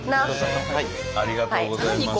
ありがとうございます。